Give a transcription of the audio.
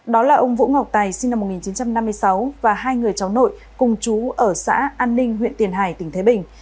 đó là ông vũ ngọc tài sinh năm một nghìn chín trăm năm mươi sáu và hai người cháu nội cùng chú ở xã an ninh huyện tiền hải tỉnh thái bình